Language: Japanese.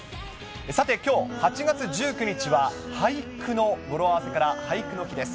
さてきょう８月１９日は、はいくの語呂合わせから、俳句の日です。